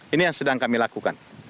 ini yang sedang kami lakukan